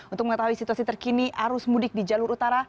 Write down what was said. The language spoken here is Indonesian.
untuk mengetahui situasi terkini arus mudik di jalur utara